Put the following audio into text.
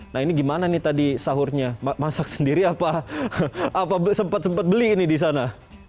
nah ini gimana nih tadi sahurnya masak sendiri apa sempat sempat beli ini di sana